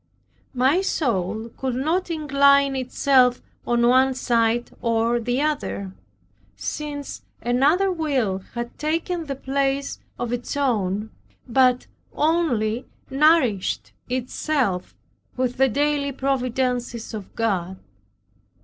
My soul could not incline itself on one side or the other, since another will had taken the place of its own, but only nourished itself with the daily providences of God.